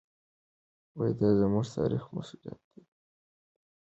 دا زموږ تاریخي مسوولیت دی.